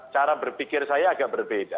cara berpikir saya agak berbeda